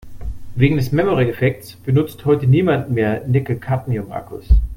Wegen des Memory-Effekts benutzt heute niemand mehr Nickel-Cadmium-Akkus.